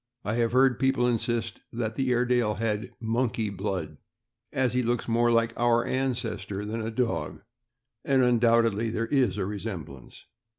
I have heard people insist that the Airedale had monkey blood, as he looks more like ' c our ancestor '' than a dog, and undoubtedly there is a resemblance.